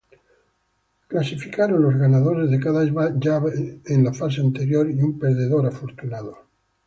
Clasificaron los ganadores de cada llave en la fase anterior y un perdedor afortunado.